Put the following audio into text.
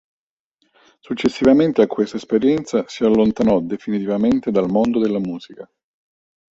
Successivamente a questa esperienza si allontanò definitivamente dal mondo della musica.